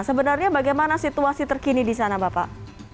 sebenarnya bagaimana situasi terkini di sana bapak